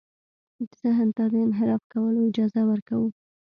ذهن ته د انحراف کولو اجازه ورکوو.